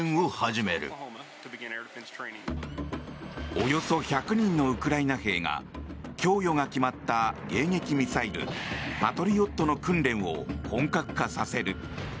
およそ１００人のウクライナ兵が供与が決まった迎撃ミサイルパトリオットの訓練を本格化させる。